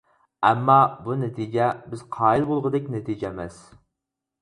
ئەمما، بۇ نەتىجە بىز قايىل بولغۇدەك نەتىجە ئەمەس!